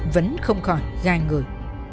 vẫn không khỏi gai người